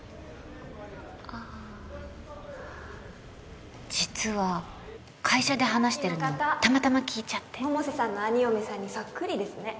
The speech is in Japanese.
ああ実は会社で話してるのたまたま聞いちゃって百瀬さんの兄嫁さんにソックリですね